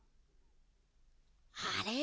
あれ？